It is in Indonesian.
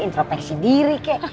intropeksi diri kek